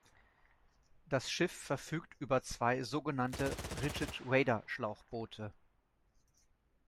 Das Schiff verfügt über zwei sogenannte Rigid-Raider-Schlauchboote.